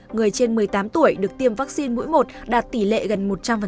người trên một mươi tám tuổi được tiêm vaccine mũi một đạt tỷ lệ gần một trăm linh